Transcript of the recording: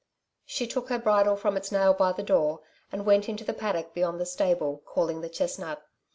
She took her bridle from its nail by the door, and went into the paddock beyond the stable, calling the chestnut.